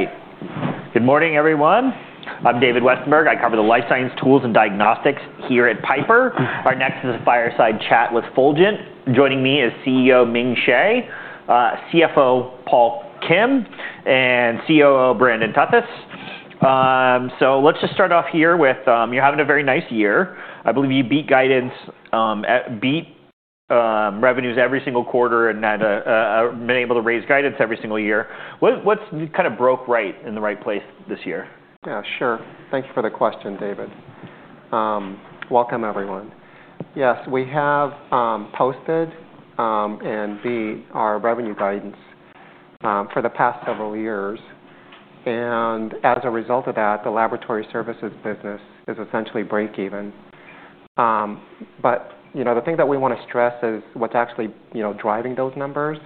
All right. Good morning, everyone. I'm David Westenberg. I cover the life science tools and diagnostics here at Piper. Our next is a fireside chat with Fulgent. Joining me is CEO Ming Hsieh, CFO Paul Kim, and COO Brandon Perthuis. Let's just start off here with you're having a very nice year. I believe you beat revenues every single quarter and have been able to raise guidance every single year. What's kind of broke right in the right place this year? Yeah, sure. Thank you for the question, David. Welcome, everyone. Yes, we have posted and beat our revenue guidance for the past several years. As a result of that, the laboratory services business is essentially break-even. The thing that we want to stress is what's actually driving those numbers.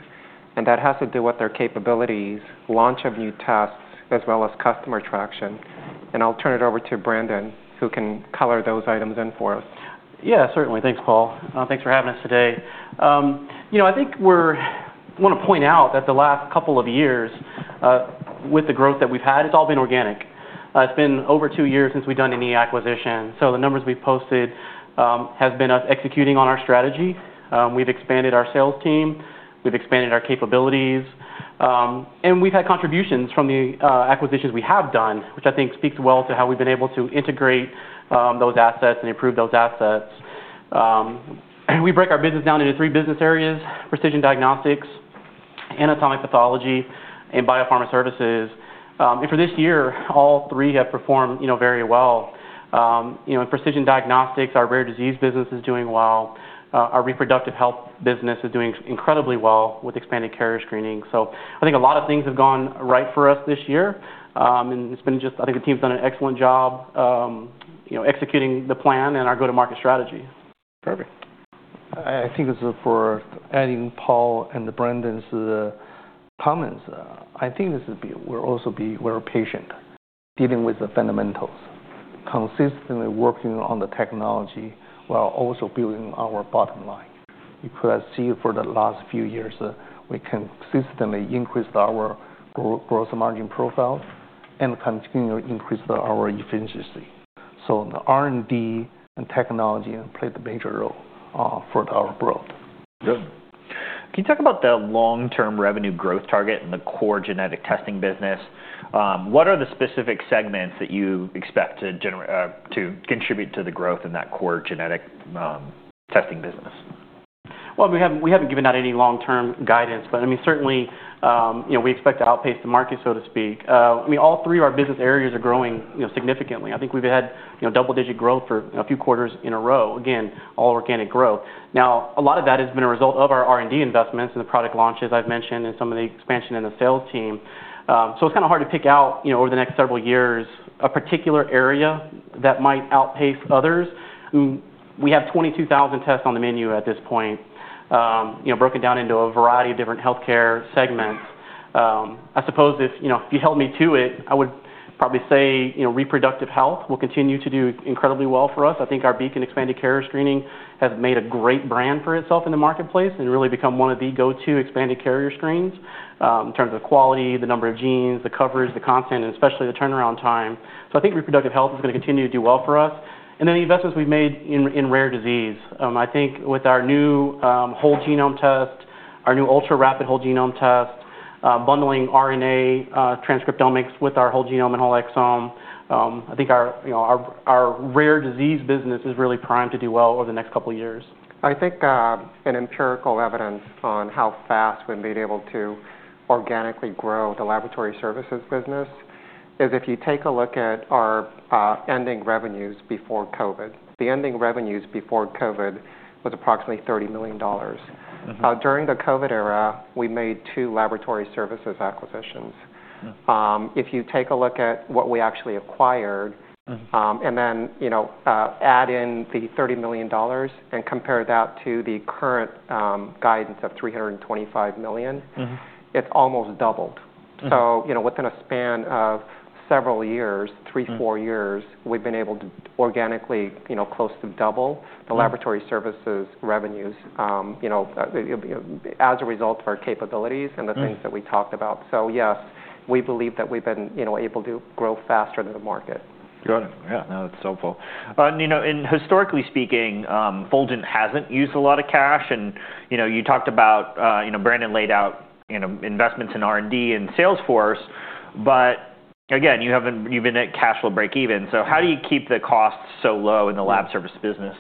That has to do with their capabilities, launch of new tests, as well as customer traction. I'll turn it over to Brandon, who can color those items in for us. Yeah, certainly. Thanks, Paul. Thanks for having us today. I think I want to point out that the last couple of years, with the growth that we've had, it's all been organic. It's been over two years since we've done any acquisition. So the numbers we've posted have been us executing on our strategy. We've expanded our sales team. We've expanded our capabilities. We've had contributions from the acquisitions we have done, which I think speaks well to how we've been able to integrate those assets and improve those assets. We break our business down into three business areas: precision diagnostics, anatomic pathology, and biopharma services. For this year, all three have performed very well. In precision diagnostics, our rare disease business is doing well. Our reproductive health business is doing incredibly well with expanded carrier screening. I think a lot of things have gone right for us this year. It's been just I think the team's done an excellent job executing the plan and our go-to-market strategy. Perfect. I think this is for adding Paul and Brandon's comments. I think this will also be where patient dealing with the fundamentals, consistently working on the technology while also building our bottom line. You could see for the last few years, we consistently increased our gross margin profile and continually increased our efficiency. The R&D and technology played a major role for our growth. Good. Can you talk about the long-term revenue growth target in the core genetic testing business? What are the specific segments that you expect to contribute to the growth in that core genetic testing business? We have not given out any long-term guidance. I mean, certainly, we expect to outpace the market, so to speak. I mean, all three of our business areas are growing significantly. I think we have had double-digit growth for a few quarters in a row. Again, all organic growth. Now, a lot of that has been a result of our R&D investments and the product launches I have mentioned and some of the expansion in the sales team. It is kind of hard to pick out, over the next several years, a particular area that might outpace others. We have 22,000 tests on the menu at this point, broken down into a variety of different health care segments. I suppose if you held me to it, I would probably say reproductive health will continue to do incredibly well for us. I think our beak in expanded carrier screening has made a great brand for itself in the marketplace and really become one of the go-to expanded carrier screens in terms of quality, the number of genes, the coverage, the content, and especially the turnaround time. I think reproductive health is going to continue to do well for us. The investments we've made in rare disease, I think with our new whole genome test, our new ultra-rapid whole genome test, bundling RNA transcriptomics with our whole genome and whole exome, I think our rare disease business is really primed to do well over the next couple of years. I think an empirical evidence on how fast we've been able to organically grow the laboratory services business is if you take a look at our ending revenues before COVID. The ending revenues before COVID was approximately $30 million. During the COVID era, we made two laboratory services acquisitions. If you take a look at what we actually acquired and then add in the $30 million and compare that to the current guidance of $325 million, it's almost doubled. Within a span of several years, three, four years, we've been able to organically close to double the laboratory services revenues as a result of our capabilities and the things that we talked about. Yes, we believe that we've been able to grow faster than the market. Good. Yeah, no, that's helpful. Historically speaking, Fulgent hasn't used a lot of cash. You talked about Brandon laid out investments in R&D and Salesforce. Again, you've been at cash flow break-even. How do you keep the costs so low in the lab service business?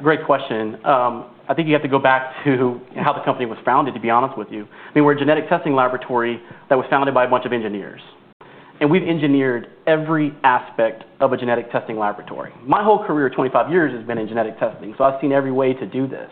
Great question. I think you have to go back to how the company was founded, to be honest with you. I mean, we're a genetic testing laboratory that was founded by a bunch of engineers. And we've engineered every aspect of a genetic testing laboratory. My whole career of 25 years has been in genetic testing. So I've seen every way to do this.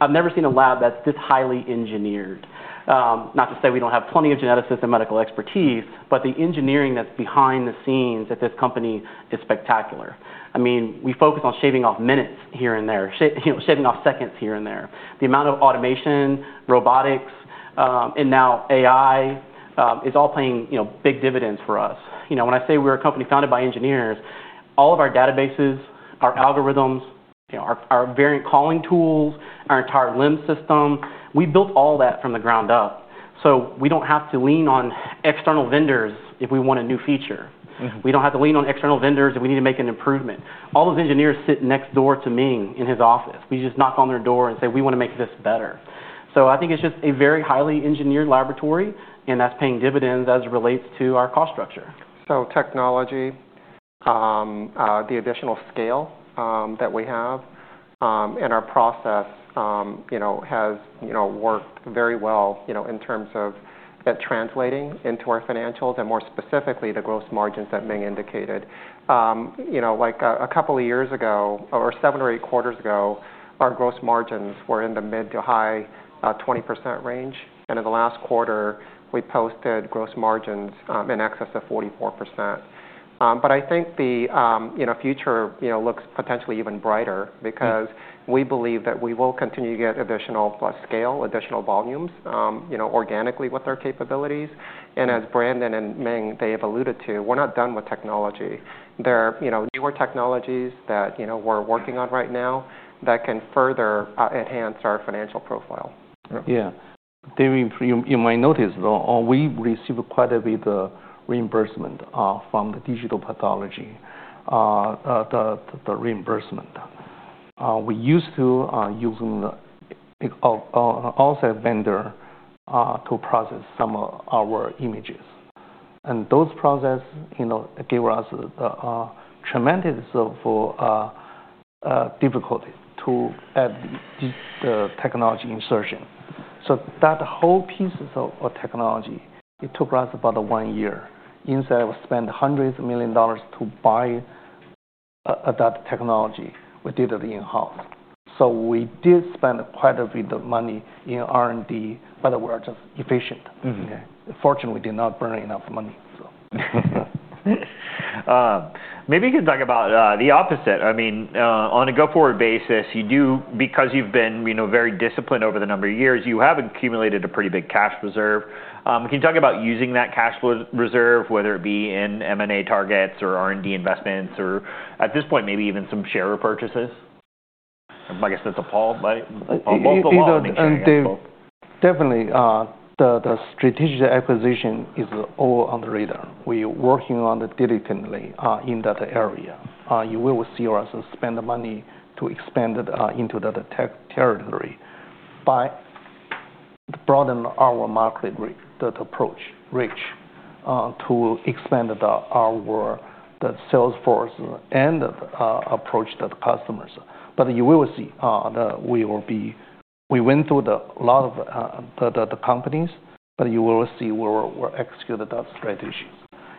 I've never seen a lab that's this highly engineered. Not to say we don't have plenty of geneticists and medical expertise, but the engineering that's behind the scenes at this company is spectacular. I mean, we focus on shaving off minutes here and there, shaving off seconds here and there. The amount of automation, robotics, and now AI is all playing big dividends for us. When I say we're a company founded by engineers, all of our databases, our algorithms, our variant calling tools, our entire LIMS system, we built all that from the ground up. We don't have to lean on external vendors if we want a new feature. We don't have to lean on external vendors if we need to make an improvement. All those engineers sit next door to Ming in his office. We just knock on their door and say, we want to make this better. I think it's just a very highly engineered laboratory, and that's paying dividends as it relates to our cost structure. Technology, the additional scale that we have in our process has worked very well in terms of that translating into our financials and more specifically the gross margins that Ming indicated. Like a couple of years ago, or seven or eight quarters ago, our gross margins were in the mid to high 20% range. In the last quarter, we posted gross margins in excess of 44%. I think the future looks potentially even brighter because we believe that we will continue to get additional plus scale, additional volumes organically with our capabilities. As Brandon and Ming, they have alluded to, we're not done with technology. There are newer technologies that we're working on right now that can further enhance our financial profile. Yeah. You might notice, though, we received quite a bit of reimbursement from the digital pathology, the reimbursement. We used to use an outside vendor to process some of our images. Those processes gave us tremendous difficulty to add the technology insertion. That whole piece of technology, it took us about one year. Inside, we spent hundreds of millions of dollars to buy that technology. We did it in-house. We did spend quite a bit of money in R&D, but we are just efficient. Fortunately, we did not burn enough money. Maybe you can talk about the opposite. I mean, on a go-forward basis, because you've been very disciplined over the number of years, you have accumulated a pretty big cash reserve. Can you talk about using that cash reserve, whether it be in M&A targets or R&D investments or, at this point, maybe even some share purchases? I guess that's a Paul, right? Definitely, the strategic acquisition is all on the radar. We are working on it diligently in that area. You will see us spend money to expand into that territory by broadening our market approach, reach to expand our Salesforce and approach to the customers. You will see that we went through a lot of the companies, but you will see where we execute that strategy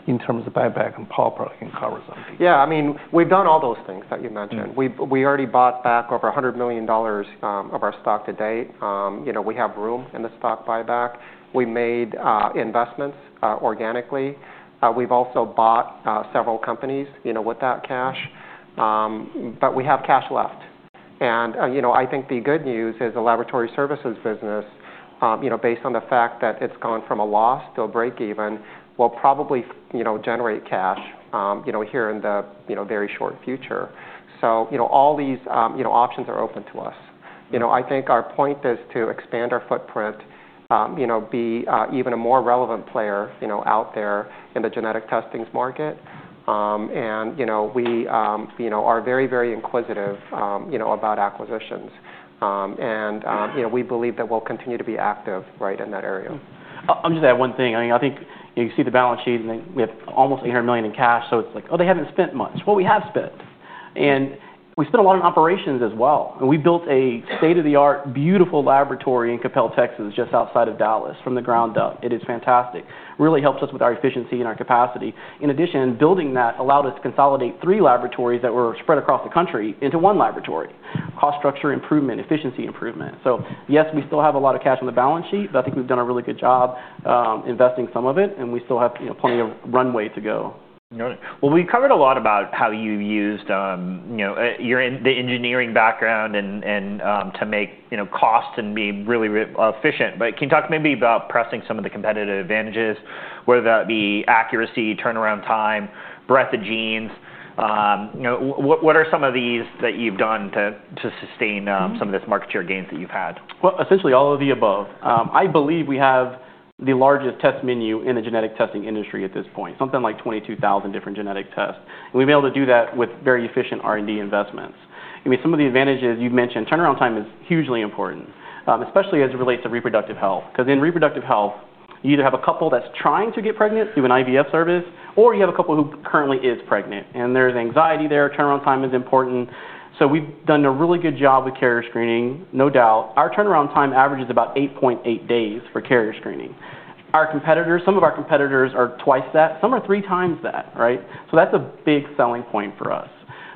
in terms of buyback and properly cover something. Yeah. I mean, we've done all those things that you mentioned. We already bought back over $100 million of our stock today. We have room in the stock buyback. We made investments organically. We've also bought several companies with that cash. We have cash left. I think the good news is the laboratory services business, based on the fact that it's gone from a loss to a break-even, will probably generate cash here in the very short future. All these options are open to us. I think our point is to expand our footprint, be even a more relevant player out there in the genetic testings market. We are very, very inquisitive about acquisitions. We believe that we'll continue to be active right in that area. I'll just add one thing. I mean, I think you see the balance sheet, and we have almost $800 million in cash. So it's like, oh, they haven't spent much. Well, we have spent. And we spent a lot on operations as well. And we built a state-of-the-art, beautiful laboratory in Coppell, Texas, just outside of Dallas from the ground up. It is fantastic. Really helps us with our efficiency and our capacity. In addition, building that allowed us to consolidate three laboratories that were spread across the country into one laboratory: cost structure improvement, efficiency improvement. Yes, we still have a lot of cash on the balance sheet, but I think we've done a really good job investing some of it. We still have plenty of runway to go. Got it. We covered a lot about how you used the engineering background to make costs and be really efficient. Can you talk maybe about pressing some of the competitive advantages, whether that be accuracy, turnaround time, breadth of genes? What are some of these that you've done to sustain some of this market share gains that you've had? Essentially all of the above. I believe we have the largest test menu in the genetic testing industry at this point, something like 22,000 different genetic tests. I mean, some of the advantages you've mentioned, turnaround time is hugely important, especially as it relates to reproductive health. Because in reproductive health, you either have a couple that's trying to get pregnant through an IVF service, or you have a couple who currently is pregnant. There's anxiety there. Turnaround time is important. We've done a really good job with carrier screening, no doubt. Our turnaround time averages about 8.8 days for carrier screening. Some of our competitors are twice that. Some are 3x that, right? That's a big selling point for us.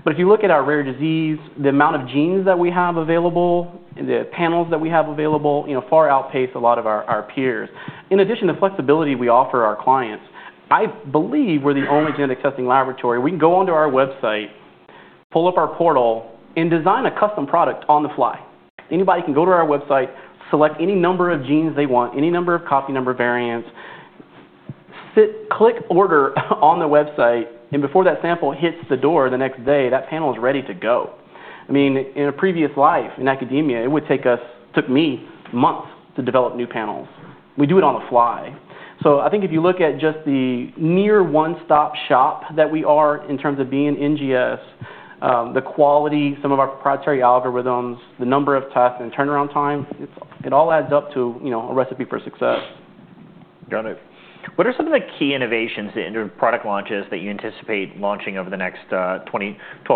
If you look at our rare disease, the amount of genes that we have available, the panels that we have available, far outpace a lot of our peers. In addition to the flexibility we offer our clients, I believe we're the only genetic testing laboratory. We can go onto our website, pull up our portal, and design a custom product on the fly. Anybody can go to our website, select any number of genes they want, any number of copy number variants, click order on the website, and before that sample hits the door the next day, that panel is ready to go. I mean, in a previous life in academia, it took me months to develop new panels. We do it on the fly. I think if you look at just the near one-stop shop that we are in terms of being NGS, the quality, some of our proprietary algorithms, the number of tests, and turnaround time, it all adds up to a recipe for success. Got it. What are some of the key innovations in your product launches that you anticipate launching over the next 12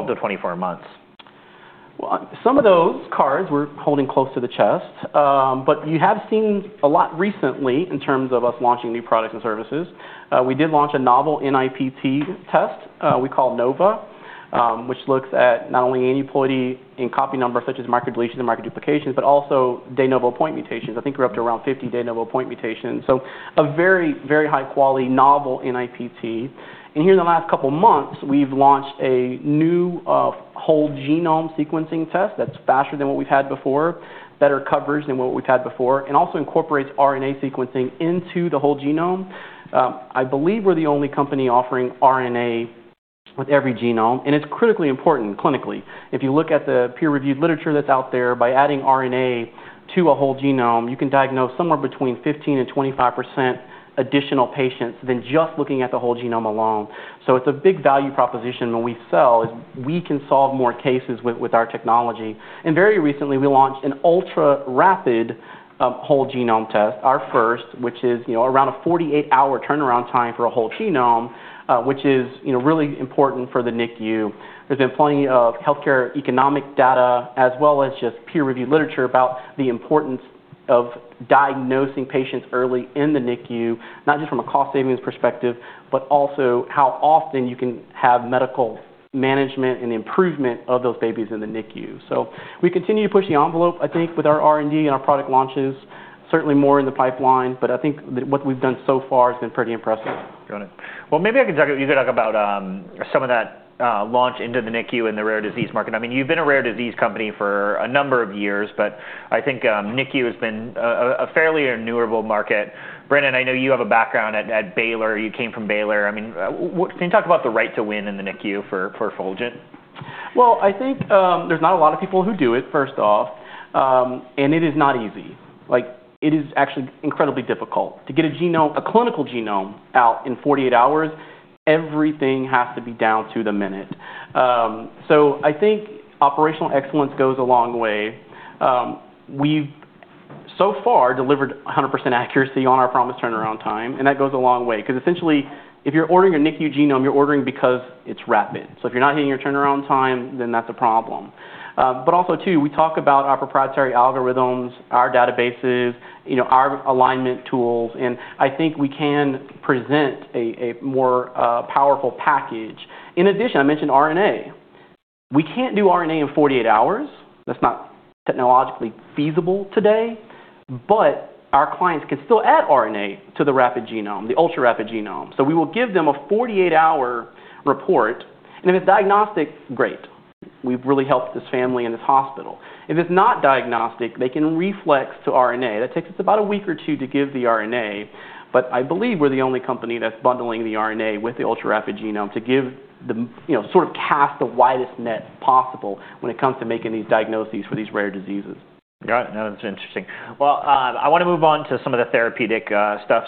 to 24 months? Some of those cards we're holding close to the chest. You have seen a lot recently in terms of us launching new products and services. We did launch a novel NIPT test we call NOVA, which looks at not only aneuploidy in copy number, such as microdeletions and microduplications, but also de novo point mutations. I think we're up to around 50 de novo point mutations. A very, very high-quality novel NIPT. Here in the last couple of months, we've launched a new whole genome sequencing test that's faster than what we've had before, better coverage than what we've had before, and also incorporates RNA sequencing into the whole genome. I believe we're the only company offering RNA with every genome. It's critically important clinically. If you look at the peer-reviewed literature that's out there, by adding RNA to a whole genome, you can diagnose somewhere between 15%-25% additional patients than just looking at the whole genome alone. It is a big value proposition when we sell is we can solve more cases with our technology. Very recently, we launched an ultra-rapid whole genome test, our first, which is around a 48-hour turnaround time for a whole genome, which is really important for the NICU. There has been plenty of healthcare economic data as well as just peer-reviewed literature about the importance of diagnosing patients early in the NICU, not just from a cost savings perspective, but also how often you can have medical management and improvement of those babies in the NICU. We continue to push the envelope, I think, with our R&D and our product launches, certainly more in the pipeline. I think what we've done so far has been pretty impressive. Got it. Maybe you could talk about some of that launch into the NICU and the rare disease market. I mean, you've been a rare disease company for a number of years, but I think NICU has been a fairly renewable market. Brandon, I know you have a background at Baylor. You came from Baylor. I mean, can you talk about the right to win in the NICU for Fulgent? I think there's not a lot of people who do it, first off. It is not easy. It is actually incredibly difficult to get a clinical genome out in 48 hours. Everything has to be down to the minute. I think operational excellence goes a long way. We've so far delivered 100% accuracy on our promised turnaround time. That goes a long way. Essentially, if you're ordering a NICU genome, you're ordering because it's rapid. If you're not hitting your turnaround time, then that's a problem. Also, we talk about our proprietary algorithms, our databases, our alignment tools. I think we can present a more powerful package. In addition, I mentioned RNA. We can't do RNA in 48 hours. That's not technologically feasible today. Our clients can still add RNA to the rapid genome, the ultra-rapid genome. We will give them a 48-hour report. If it's diagnostic, great. We've really helped this family and this hospital. If it's not diagnostic, they can reflex to RNA. That takes us about a week or two to give the RNA. I believe we're the only company that's bundling the RNA with the ultra-rapid genome to sort of cast the widest net possible when it comes to making these diagnoses for these rare diseases. Got it. No, that's interesting. I want to move on to some of the therapeutic stuff.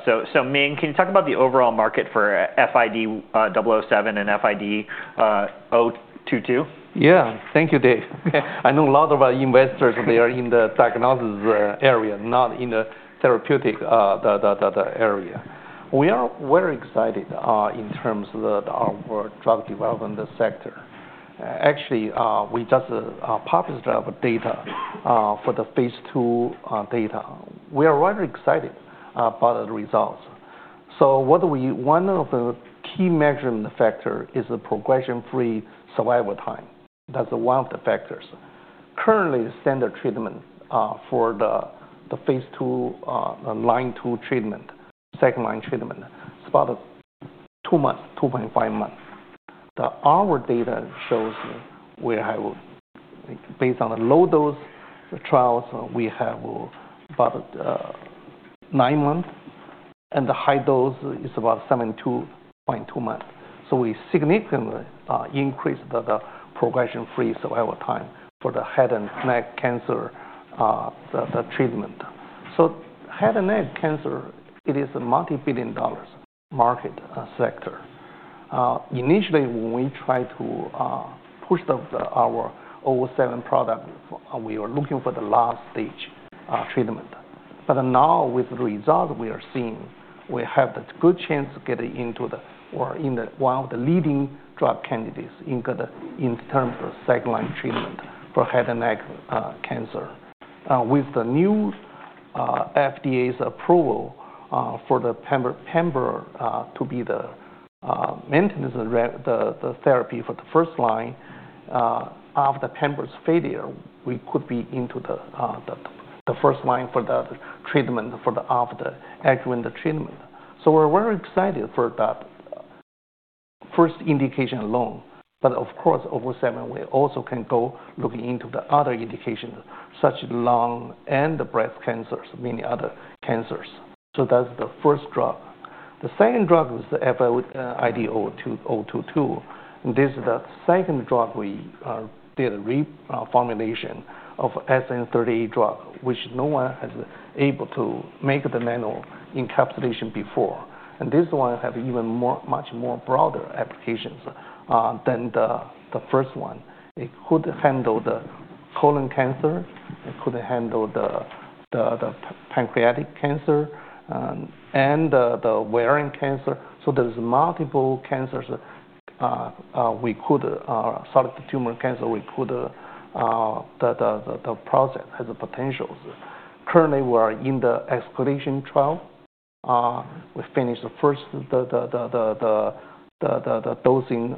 Ming, can you talk about the overall market for FID-007 and FID-022? Yeah. Thank you, Dave. I know a lot of investors that are in the diagnosis area, not in the therapeutic area. We are very excited in terms of our drug development sector. Actually, we just published our data for the phase II data. We are very excited about the results. One of the key measurement factors is the progression-free survival time. That's one of the factors. Currently, the standard treatment for the phase II, line two treatment, second line treatment, it's about two months, 2.5 months. Our data shows we have, based on the low-dose trials, we have about nine months. The high dose is about 72.2 months. We significantly increased the progression-free survival time for the head and neck cancer treatment. Head and neck cancer, it is a multi-billion dollars market sector. Initially, when we tried to push our FID-007 product, we were looking for the last stage treatment. Now, with the results we are seeing, we have the good chance to get into one of the leading drug candidates in terms of second line treatment for head and neck cancer. With the new FDA's approval for the pembrolizumab to be the maintenance therapy for the first line, after pembrolizumab's failure, we could be into the first line for the treatment for the after adjuvant treatment. We are very excited for that first indication alone. Of course, FID-007, we also can go look into the other indications, such as lung and breast cancers, many other cancers. That is the first drug. The second drug is FID-022. This is the second drug. We did a reformulation of SN-38 drug, which no one has been able to make the nano-encapsulation before. This one has even much more broader applications than the first one. It could handle the colon cancer. It could handle the pancreatic cancer and the ovarian cancer. There are multiple cancers. We could solve the tumor cancer. The project has potentials. Currently, we are in the escalation trial. We finished the first dosing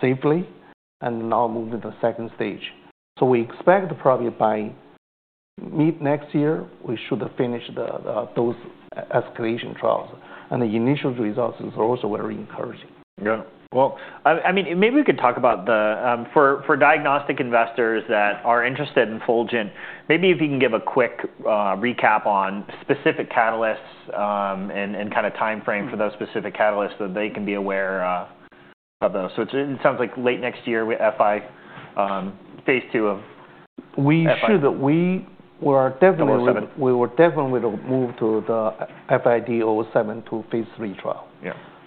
safely. Now moving to the second stage. We expect probably by mid next year, we should finish those escalation trials. The initial results are also very encouraging. Yeah. I mean, maybe we could talk about the for diagnostic investors that are interested in Fulgent, maybe if you can give a quick recap on specific catalysts and kind of time frame for those specific catalysts that they can be aware of those. It sounds like late next year, we have phase II of FID-022. We should. We definitely will move to the FID-007 to phase III trial.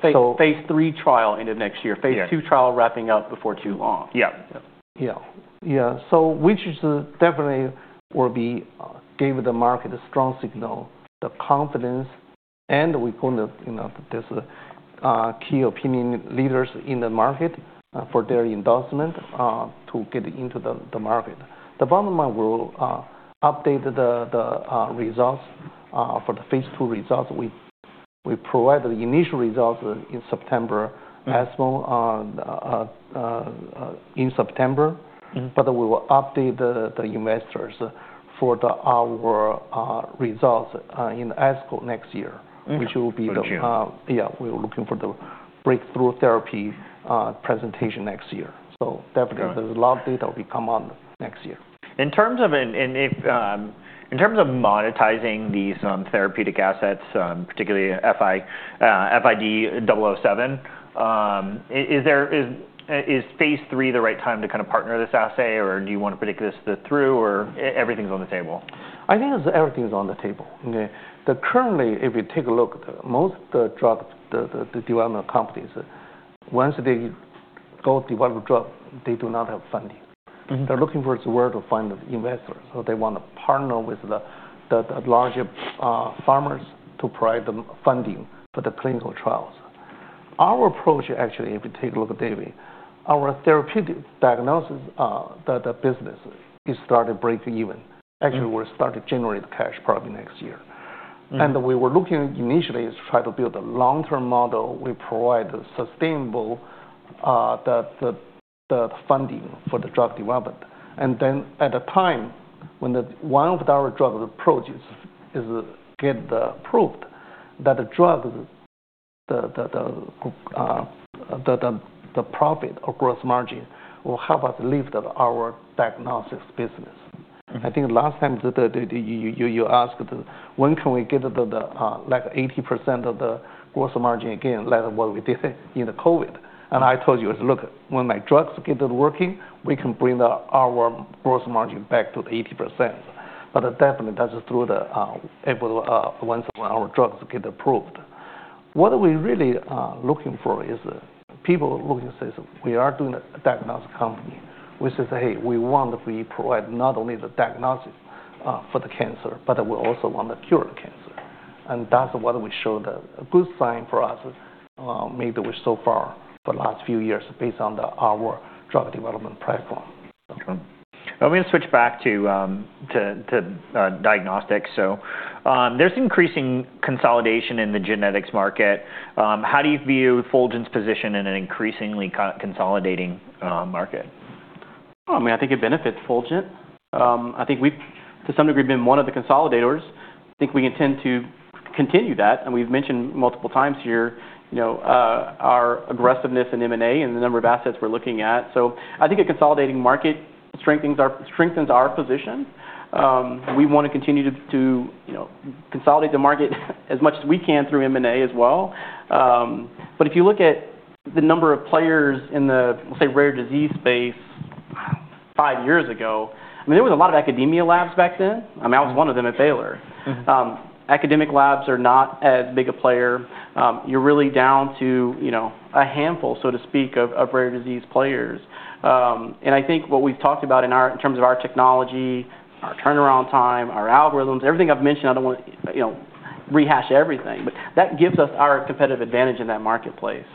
Yeah. Phase III trial end of next year. Phase II trial wrapping up before too long. Yeah. Yeah. Yeah. Which definitely will give the market a strong signal, the confidence. We're going to these key opinion leaders in the market for their endorsement to get into the market. The bottom line, we'll update the results for the phase II results. We provide the initial results in September, ESMO in September. We will update the investors for our results in ASCO next year, which will be the, yeah, we're looking for the breakthrough therapy presentation next year. Definitely, there's a lot of data will be come on next year. In terms of monetizing these therapeutic assets, particularly FID-007, is phase III the right time to kind of partner this assay? Or do you want to predict this through? Or everything's on the table? I think everything's on the table. Currently, if you take a look, most of the drug development companies, once they go develop drug, they do not have funding. They're looking for somewhere to find investors. They want to partner with the larger pharmas to provide them funding for the clinical trials. Our approach, actually, if you take a look, David, our therapeutic diagnosis business is starting to break even. Actually, we're starting to generate cash probably next year. We were looking initially to try to build a long-term model. We provide sustainable funding for the drug development. At a time when one of our drug approaches is get approved, that drug, the profit or gross margin will help us lift our diagnostics business. I think last time you asked, when can we get like 80% of the gross margin again like what we did in the COVID? I told you, look, when my drugs get working, we can bring our gross margin back to 80%. Definitely, that's through the once our drugs get approved. What we're really looking for is people looking to say, we are doing a diagnostic company. We say, hey, we want to provide not only the diagnosis for the cancer, but we also want to cure the cancer. That's what we showed a good sign for us, maybe so far for the last few years based on our drug development platform. Sure. I am going to switch back to diagnostics. There is increasing consolidation in the genetics market. How do you view Fulgent's position in an increasingly consolidating market? I mean, I think it benefits Fulgent. I think we've, to some degree, been one of the consolidators. I think we intend to continue that. We've mentioned multiple times here our aggressiveness in M&A and the number of assets we're looking at. I think a consolidating market strengthens our position. We want to continue to consolidate the market as much as we can through M&A as well. If you look at the number of players in the, we'll say, rare disease space five years ago, there was a lot of academia labs back then. I mean, I was one of them at Baylor. Academic labs are not as big a player. You're really down to a handful, so to speak, of rare disease players. I think what we've talked about in terms of our technology, our turnaround time, our algorithms, everything I've mentioned, I don't want to rehash everything. That gives us our competitive advantage in that marketplace.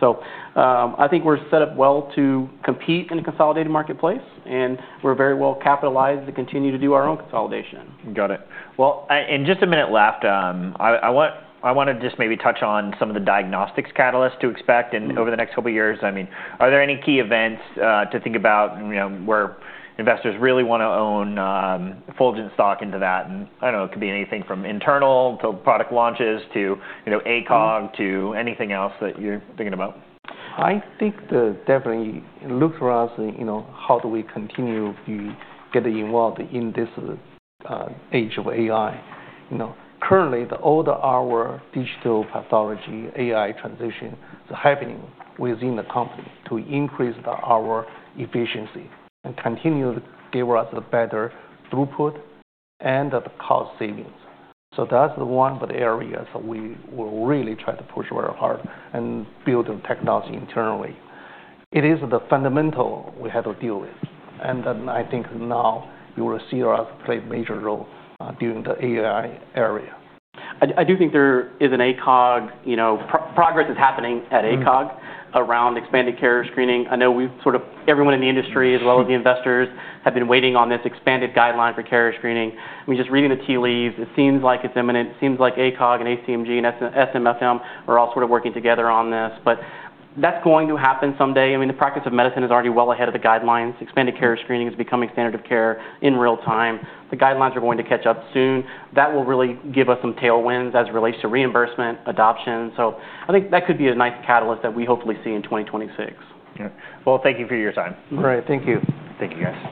I think we're set up well to compete in a consolidated marketplace. We're very well capitalized to continue to do our own consolidation. Got it. In just a minute left, I want to just maybe touch on some of the diagnostics catalysts to expect over the next couple of years. I mean, are there any key events to think about where investors really want to own Fulgent stock into that? I don't know, it could be anything from internal to product launches to ACOG to anything else that you're thinking about. I think definitely look for us how do we continue to get involved in this age of AI. Currently, all our digital pathology AI transition is happening within the company to increase our efficiency and continue to give us a better throughput and the cost savings. That is one of the areas we will really try to push very hard and build technology internally. It is the fundamental we have to deal with. I think now you will see us play a major role during the AI area. I do think there is an ACOG progress is happening at ACOG around expanded carrier screening. I know we've sort of everyone in the industry, as well as the investors, have been waiting on this expanded guideline for carrier screening. I mean, just reading the tea leaves, it seems like it's imminent. It seems like ACOG and ACMG and SMFM are all sort of working together on this. That is going to happen someday. I mean, the practice of medicine is already well ahead of the guidelines. Expanded carrier screening is becoming standard of care in real time. The guidelines are going to catch up soon. That will really give us some tailwinds as it relates to reimbursement adoption. I think that could be a nice catalyst that we hopefully see in 2026. Yeah. Thank you for your time. All right. Thank you. Thank you, guys.